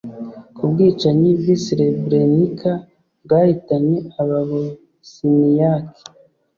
ko ubwicanyi bw’i srebrenica bwahitanye ababosniaki